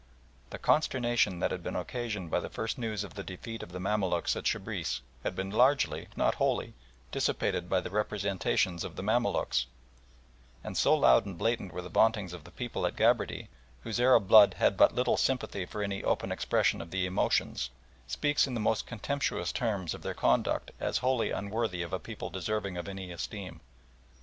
The consternation that had been occasioned by the first news of the defeat of the Mamaluks at Shebriss had been largely, if not wholly, dissipated by the representations of the Mamaluks, and so loud and blatant were the vauntings of the people that Gabarty, whose Arab blood had but little sympathy for any open expression of the emotions, speaks in the most contemptuous terms of their conduct as wholly unworthy of a people deserving of any esteem.